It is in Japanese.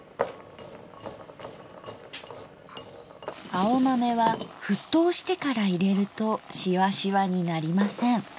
青豆は沸騰してから入れるとシワシワになりません。